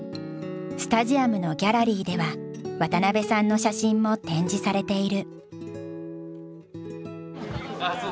スタジアムのギャラリーでは渡邉さんの写真も展示されている。